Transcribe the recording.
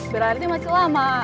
berarti masih lama